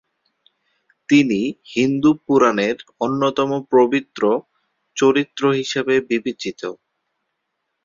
তিনি হিন্দু পুরাণের অন্যতম পবিত্র চরিত্র হিসেবে বিবেচিত।